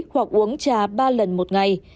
hoặc uống trà ba lần một ngày